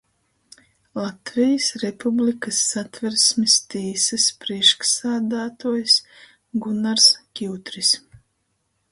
Latvejis Republikys Satversmis tīsys prīšksādātuojs Gunars Kiutris.